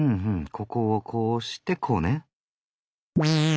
ここをこうしてこうね。